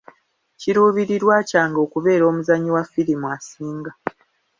Kiruubirirwa kyange okubeera omuzannyi wa ffirimu asinga.